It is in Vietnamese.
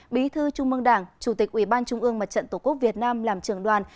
bí thư trung mương đảng chủ tịch ủy ban trung ương mặt trận tổ quốc việt nam làm trưởng đoàn